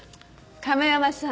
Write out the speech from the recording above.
亀山さん。